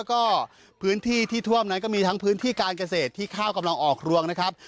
แล้วก็พื้นที่ที่ท่วมนั้นก็มีทั้งพื้นที่การเกษตรที่ข้าวกำลังออกรวงนะครับ